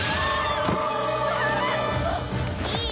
いい？